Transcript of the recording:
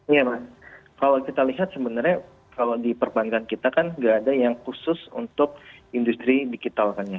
iya mas kalau kita lihat sebenarnya kalau di perbankan kita kan nggak ada yang khusus untuk industri digital kan ya